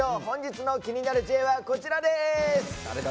本日の「気になるＪ」はこちらです。